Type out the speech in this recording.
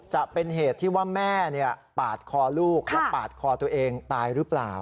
จะเป็นเหตุที่ว่าแม่ปาดคอลูกแล้วปาดคอตัวเองตายหรือเปล่า